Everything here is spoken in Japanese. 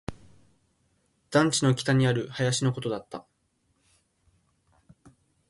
団地の北にある林のことだった